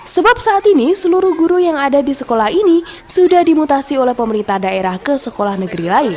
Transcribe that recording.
sebab saat ini seluruh guru yang ada di sekolah ini sudah dimutasi oleh pemerintah daerah ke sekolah negeri lain